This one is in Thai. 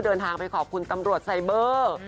เดินทางไปขอบคุณตำรวจไซเบอร์